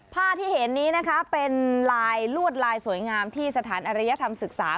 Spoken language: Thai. ผ้าที่เห็นนี้นะคะเป็นลายลวดลายสวยงามที่สถานอริยธรรมศึกษา